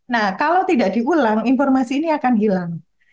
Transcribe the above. nah kalau tidak diulang informasi ini akan hilang